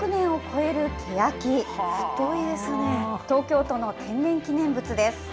東京都の天然記念物です。